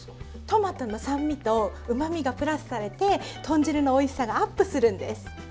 トマトの酸味とうまみがプラスされて豚汁のおいしさがアップするんです。